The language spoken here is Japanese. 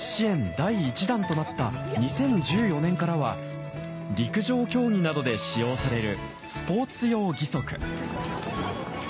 第１弾となった２０１４年からは陸上競技などで使用される